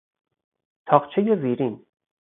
تاقچهی زیرین